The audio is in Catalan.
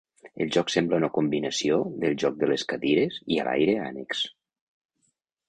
El joc sembla una combinació del joc de les cadires i a l'aire ànecs.